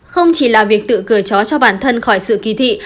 không chỉ là việc tự cửa chó cho bản thân khỏi sự kỳ thị